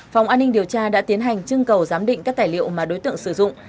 phòng an ninh điều tra đã tiến hành trưng cầu giám định các tài liệu mà đối tượng sử dụng